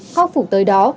khắc phục tới đó